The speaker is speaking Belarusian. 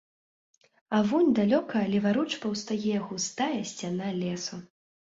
А вунь далёка леваруч паўстае густая сцяна лесу.